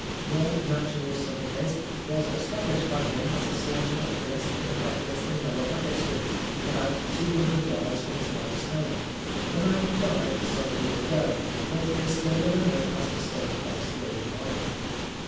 One natural son of his was established by him as a surgeon oculist in a practice in Lower Baggot Street, about two hundred yards from his wife's home. The man died some years ago, but is still remembered as the son of Sir William Wilde.